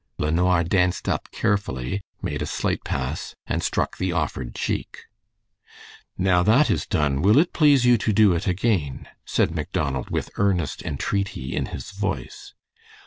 LeNoir danced up carefully, made a slight pass, and struck the offered cheek. "Now, that is done, will it please you to do it again?" said Macdonald, with earnest entreaty in his voice.